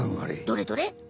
どれどれ？